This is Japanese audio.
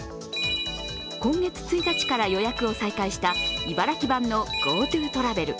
今月１日から予約を再会した茨城版のＧｏＴｏトラベル。